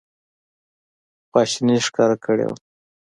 خواشیني ښکاره کړې وه.